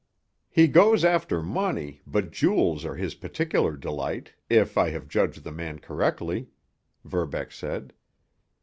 "He goes after money, but jewels are his particular delight, if I have judged the man correctly," Verbeck said.